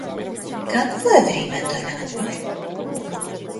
Какво е времето надвор?